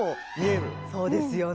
そうですよね。